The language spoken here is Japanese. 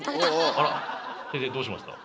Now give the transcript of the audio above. あらっ先生どうしました？